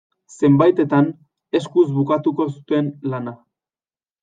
Zenbaitetan, eskuz bukatuko zuten lana.